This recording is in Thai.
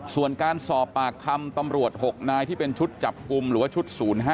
ส่วนการสอบปากคำตำรวจ๖นายที่เป็นชุดจับกลุ่มหรือว่าชุด๐๕